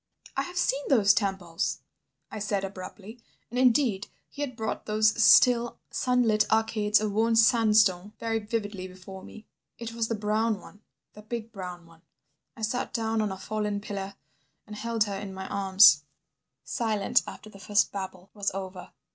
"I have seen those temples," I said abruptly, and indeed he had brought those still, sunlit arcades of worn sandstone very vividly before me. "It was the brown one, the big brown one. I sat down on a fallen pillar and held her in my arms ... Silent after the first babble was over.